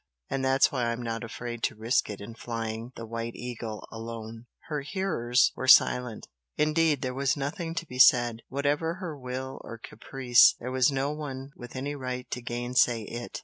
And that's why I'm not afraid to risk it in flying the 'White Eagle' alone." Her hearers were silent. Indeed there was nothing to be said. Whatever her will or caprice there was no one with any right to gainsay it.